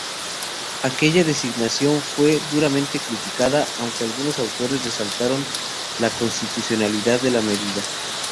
Aquella designación fue duramente criticada, aunque algunos autores resaltaron la constitucionalidad de la medida.